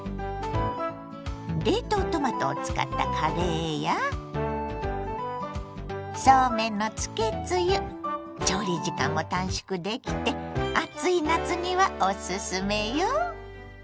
冷凍トマトを使ったカレーやそうめんのつけつゆ調理時間も短縮できて暑い夏にはおすすめよ。